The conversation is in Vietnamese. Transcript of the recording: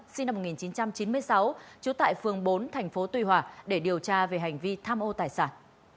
sinh năm một nghìn chín trăm chín mươi sáu trú tại phường bốn thành phố tuy hòa để điều tra về hành vi tham ô tài sản